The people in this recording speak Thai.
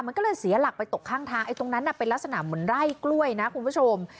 มันก็เลยเสียหลักไปตกข้างทางไอ้ตรงนั้นน่ะเป็นลักษณะเหมือนไร่กล้วยนะคุณผู้ชม